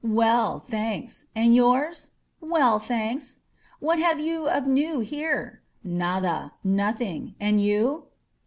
"Well, thanks. And yours?" Well, thanks. What have you of new here?" "Nada. Nothing. And you?"